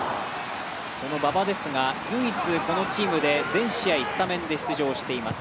その馬場ですが、唯一このチームで全試合スタメンで出場しています。